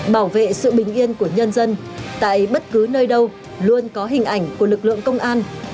bảo vệ sự bình yên của nhân dân tại bất cứ nơi đâu luôn có hình ảnh của lực lượng công an